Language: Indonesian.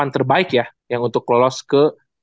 terbaik ya yang untuk lolos ke